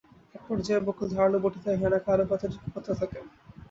একপর্যায়ে বকুল ধারালো বঁটি দিয়ে হেনাকে এলোপাতাড়ি কোপাতে থাকেন।